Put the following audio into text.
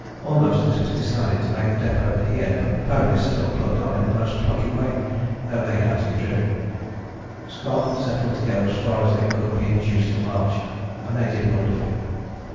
Almost it was decided to make the depôt here, but the ponies still plugged on in the most plucky way, though they had to be driven. Scott settled to go as far as they could be induced to march, and they did wonderfully.